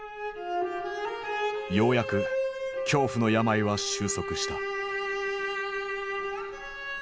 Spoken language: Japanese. ようやく恐怖の病は終息した。